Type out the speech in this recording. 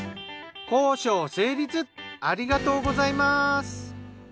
交渉成立ありがとうございます。